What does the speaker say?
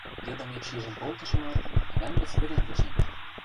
Йыдымет шижӹн колтышымат, ӓвӓм гӹц вӹдӹм кӹчем.